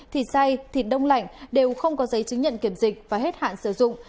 thịt day thịt đông lạnh đều không có giấy chứng nhận kiểm dịch và hết hạn sử dụng